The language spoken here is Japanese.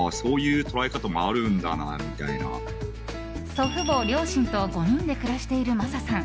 祖父母、両親と５人で暮らしている、まささん。